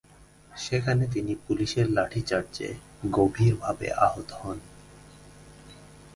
সেখানে তিনি পুলিশের লাঠি চার্চে গভীর ভাবে আহত হন।